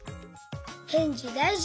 へんじだいじ。